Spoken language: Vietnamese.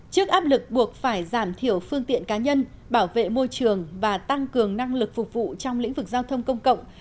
trước áp lực buộc phải giảm thiểu phương tiện cá nhân bảo vệ môi trường và tăng cường năng lực phục vụ trong lĩnh vực giao thông công cộng